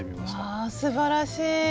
わあすばらしい！